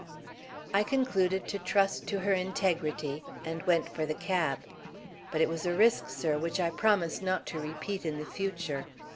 "I concluded to trust to her integrity, and went for the cab. But it was a risk, sir, which I promise not to repeat in the future.